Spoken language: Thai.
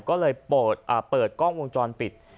ก็เลยเปิดกล้องวงจรปิด